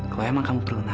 kalau kamu sudah menangis